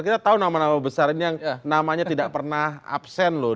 kita tahu nama nama besar ini yang namanya tidak pernah absen loh